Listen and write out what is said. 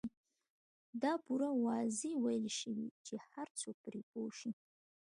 دا پوره واضح ويل شوي چې هر څوک پرې پوه شي.